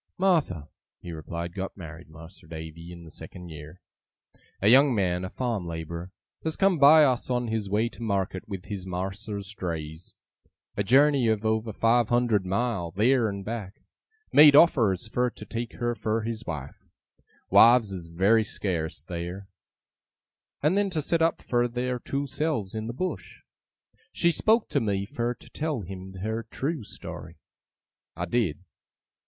'Martha,' he replied, 'got married, Mas'r Davy, in the second year. A young man, a farm labourer, as come by us on his way to market with his mas'r's drays a journey of over five hundred mile, theer and back made offers fur to take her fur his wife (wives is very scarce theer), and then to set up fur their two selves in the Bush. She spoke to me fur to tell him her trew story. I did.